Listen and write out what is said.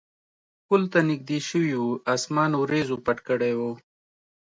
پل ته نږدې شوي و، اسمان وریځو پټ کړی و.